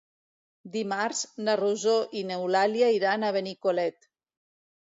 Dimarts na Rosó i n'Eulàlia iran a Benicolet.